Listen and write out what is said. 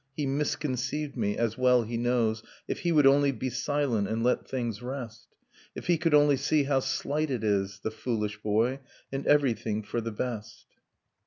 He misconceived me ... as well he knows ... If he would only be silent and let things rest! If he could only see how slight it is, The foolish boy ! and everything for the best